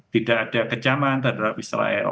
tidak ada kecaman terhadap israel